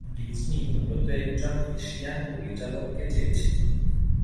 Disney মূলত একজন Asian পরিচালককে চেয়েছিল।